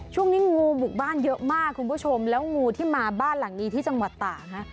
ช่วงนี้งูบุกบ้านเยอะมากคุณผู้ชมแล้วงูที่มาบ้านหลังนี้ที่จังหวัดตากฮะ